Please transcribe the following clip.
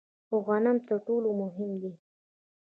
خو غنم تر ټولو مهم دي.